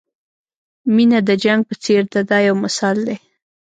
مینه د جنګ په څېر ده دا یو مثال دی.